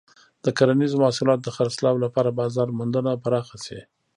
د کرنیزو محصولاتو د خرڅلاو لپاره بازار موندنه پراخه شي.